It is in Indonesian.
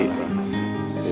dia udah tidur